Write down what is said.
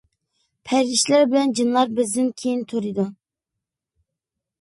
پەرىشتىلەر بىلەن جىنلار بىزدىن كېيىن تۇرىدۇ.